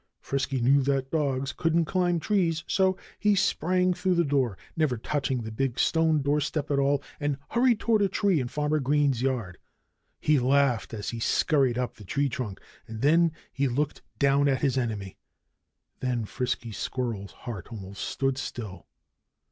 Frisky knew that dogs couldn't climb trees. So he sprang through the door, never touching the big stone doorstep at all, and hurried toward a tree in Farmer Green's yard. He laughed as he scurried up the tree trunk. And then he looked down at his enemy. Then Frisky Squirrel's heart almost stood still.